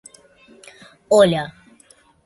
A continuación el cladograma de Fortuny "et al.